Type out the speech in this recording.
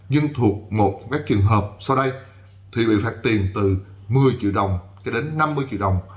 nhưng thuộc một vé trường hợp sau đây thì bị phạt tiền từ một mươi triệu đồng cho đến năm mươi triệu đồng